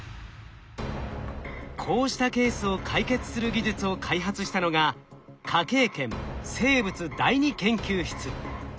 こうしたケースを解決する技術を開発したのが科警研生物第二研究室。